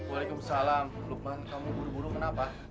waalaikumsalam lukman kamu buru buru kenapa